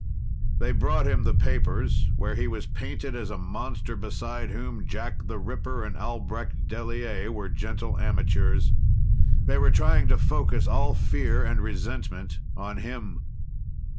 They brought him the papers, where he was painted as a monster beside whom Jack the Ripper and Albrecht Delier were gentle amateurs. They were trying to focus all fear and resentment on him.